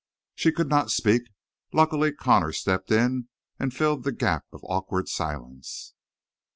She could not speak; luckily Connor stepped in and filled the gap of awkward silence.